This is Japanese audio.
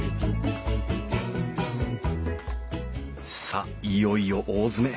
さっいよいよ大詰め。